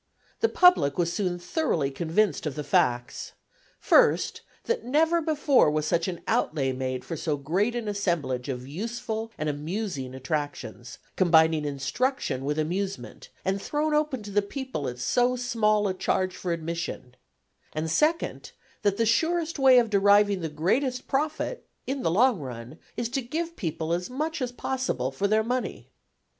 The public was soon thoroughly convinced of the facts; first, that never before was such an outlay made for so great an assemblage of useful and amusing attractions, combining instruction with amusement, and thrown open to the people at so small a charge for admission; and second, that the surest way of deriving the greatest profit, in the long run, is to give people as much as possible for their money.